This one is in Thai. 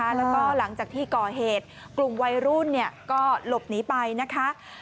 แล้วก็หลังจากที่ก่อเหตุกลุ่มวัยรุ่นก็หลบหนีไปนะคะ